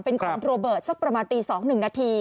เป็นคอนโรเบิร์ตสักประมาณตี๒๑นาที